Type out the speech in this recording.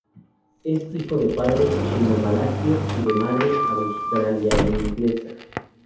Es hijo de padre chino-malasio y de madre australiana-inglesa.